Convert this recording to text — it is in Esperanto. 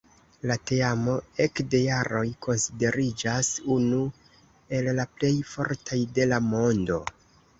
La teamo ekde jaroj konsideriĝas unu el la plej fortaj de la mondo.